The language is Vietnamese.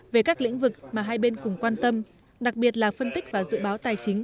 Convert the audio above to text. về các lĩnh vực mà hai bên cùng quan tâm đặc biệt là phân tích và dự báo tài chính